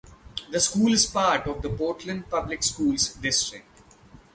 The school is part of the Portland Public Schools district.